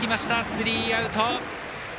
スリーアウト。